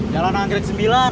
jalan anggrek sembilan